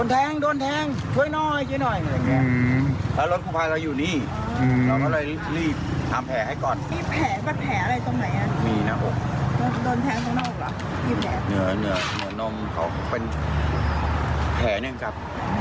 เหนือน้ำมันเป็นแผลนึงกับ